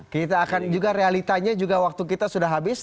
kita akan juga realitanya juga waktu kita sudah habis